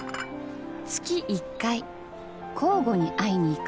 月１回交互に会いに行く。